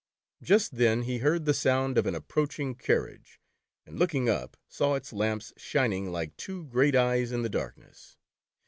Just then he heard the sound of an approaching carriage, and looking up, saw its lamps, shining like two great eyes in the darkness.